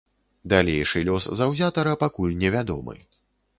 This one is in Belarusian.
Далейшы лёс заўзятара пакуль невядомы.